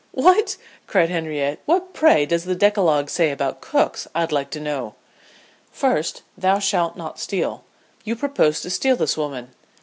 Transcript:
"What!" cried Henrietta "What, pray, does the decalogue say about cooks, I'd like to know?" "First, thou shalt not steal. You propose to steal this woman.